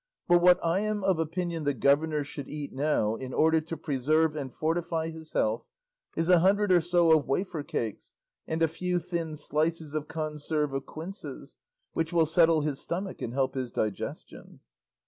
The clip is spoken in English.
But what I am of opinion the governor should eat now in order to preserve and fortify his health is a hundred or so of wafer cakes and a few thin slices of conserve of quinces, which will settle his stomach and help his digestion."